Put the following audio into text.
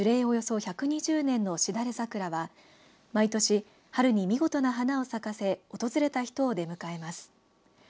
およそ１２０年のしだれ桜は毎年、春に見事な花を咲かせ訪れた人を出迎えます。